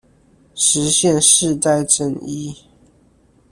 實現世代正義